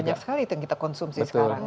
banyak sekali itu yang kita konsumsi sekarang